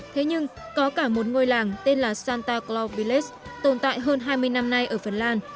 thế nhưng có cả một ngôi làng tên là santa clau villace tồn tại hơn hai mươi năm nay ở phần lan